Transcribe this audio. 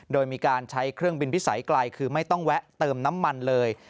โดยมีการใช้เครื่องบินพิสัยไกลคือไม่ต้องแวะเติมน้ำมันเลย